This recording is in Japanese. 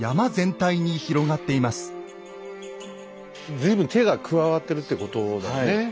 随分手が加わってるってことだよね。